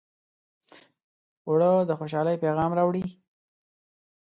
اوړه د خوشحالۍ پیغام راوړي